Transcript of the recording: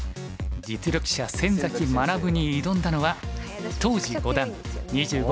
実力者先崎学に挑んだのは当時五段２５歳の松尾歩。